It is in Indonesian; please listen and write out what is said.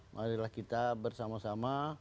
marilah kita bersama sama